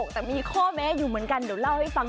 แต่มีข้อแม้อยู่เหมือนกันเดี๋ยวเล่าให้ฟัง